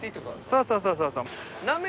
そうそうそうそうそう。